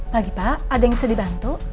pagi pak ada yang bisa dibantu